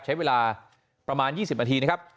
ใช้เวลาประมาณ๒๐นาทีนะครับ